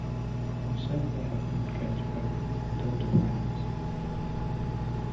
Also, they have Broad Gauge bogies and under-frames.